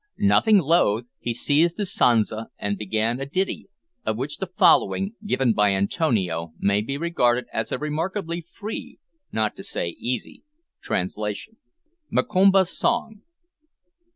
Nothing loath, he seized his sansa and began a ditty, of which the following, given by Antonio, may be regarded as a remarkably free, not to say easy, translation: MOKOMPA'S SONG.